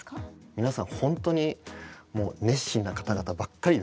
皆さん本当に熱心な方々ばっかりなんですよ。